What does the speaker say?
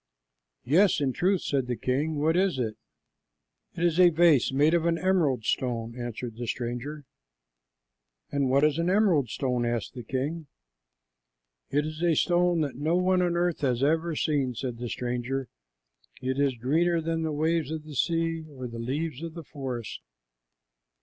"Yes, in truth," said the king. "What is it?" "It is a vase made of an emerald stone," answered the stranger. "And what is an emerald stone?" asked the king. "It is a stone that no one on earth has ever seen," said the stranger. "It is greener than the waves of the sea or the leaves of the forest."